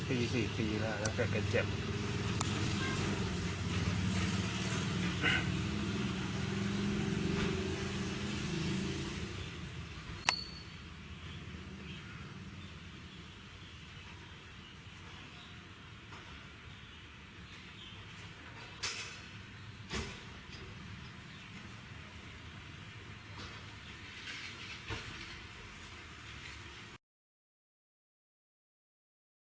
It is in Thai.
โปรดติดตามตอนต่อไป